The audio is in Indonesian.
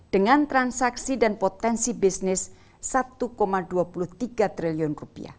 dengan transaksi dan potensi bisnis rp satu dua puluh tiga triliun